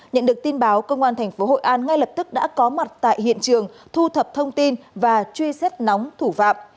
nhận được tin báo công an thành phố hội an ngay lập tức đã có mặt tại hiện trường thu thập thông tin và truy xét nóng thủ vạm